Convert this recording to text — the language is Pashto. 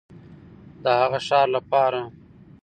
د هغه ښار لپاره